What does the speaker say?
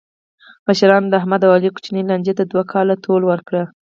مشرانو د احمد او علي کوچنۍ لانجې ته دوه کاله طول ورکړ.